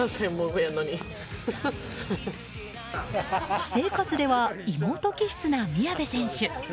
私生活では妹気質な宮部選手。